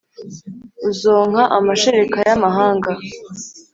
uzonka amashereka y’amahanga,